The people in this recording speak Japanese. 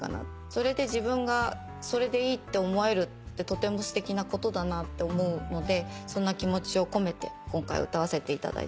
それで自分がそれでいいって思えるってとてもすてきなことだなって思うのでそんな気持ちを込めて今回歌わせていただいております。